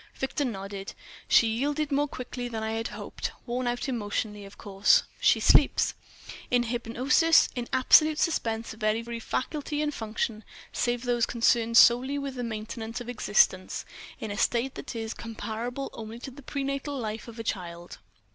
Victor nodded. "She yielded more quickly than I had hoped—worn out emotionally, of course." "She sleeps—" "In hypnosis, in absolute suspense of every faculty and function save those concerned solely with the maintenance of existence—in a state, that is, comparable only to the pre natal life of a child."